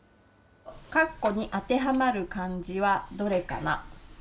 カッコに当てはまる漢字はどれかな。